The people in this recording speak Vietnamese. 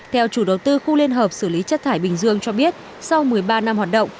theo chủ đầu tư khu liên hợp xử lý chất thải bình dương cho biết sau một mươi ba năm hoạt động